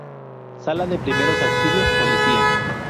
Sala de Primeros Auxilios, Policía.